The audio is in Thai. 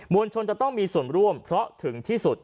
วลชนจะต้องมีส่วนร่วมเพราะถึงที่สุด